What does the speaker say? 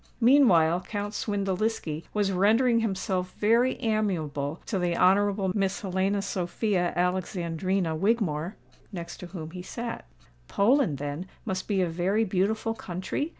Meantime Count Swindeliski was rendering himself very amiable to the Honourable Miss Helena Sophia Alexandrina Wigmore, next to whom he sate. "Poland, then, must be a very beautiful country?"